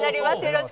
はい。